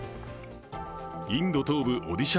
インド東部オディシャ